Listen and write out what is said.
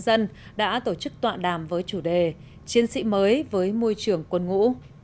dân đã tổ chức tọa đàm với chủ đề chiến sĩ mới với môi trường quân ngũ